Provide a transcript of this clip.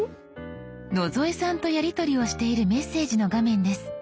野添さんとやりとりをしているメッセージの画面です。